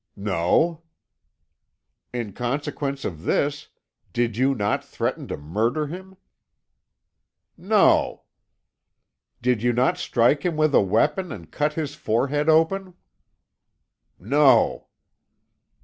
"No." "In consequence of this, did you not threaten to murder him?" "No." "Did you not strike him with a weapon, and cut his forehead open?" "No."